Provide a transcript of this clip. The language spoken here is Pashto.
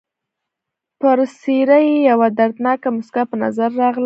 پر څېره یې یوه دردناکه مسکا په نظر راغله.